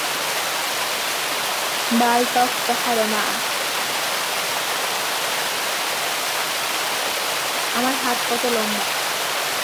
ম্বাল তক তহা রমাআ ।